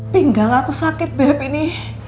pinggang aku sakit beb ini